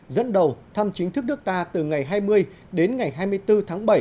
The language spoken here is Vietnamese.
dẫn đầu thăm chính thức nước ta từ ngày hai mươi đến ngày hai mươi bốn tháng bảy